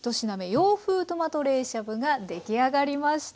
洋風トマト冷しゃぶが出来上がりました。